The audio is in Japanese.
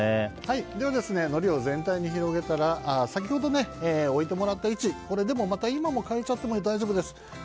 のりを全体に広げたら先ほど置いてもらった位置また今も変えちゃっても大丈夫です。